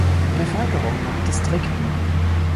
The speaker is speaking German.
Bevölkerung nach Distrikten